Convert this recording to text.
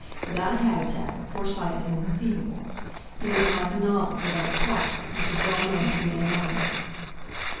Without a habitat a Forsyte is inconceivable—he would be like a novel without a plot, which is well known to be an anomaly.